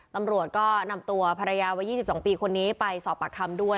ตำรวจก็นำตัวภรรยาวัย๒๒ปีคนนี้ไปสอบปากคำด้วย